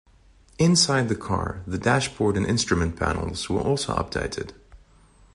Inside the car, the dashboard and instrument panels were also updated.